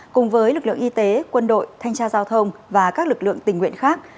cùng với lực lượng y tế quân đội thanh tra giao thông và các lực lượng tình nguyện khác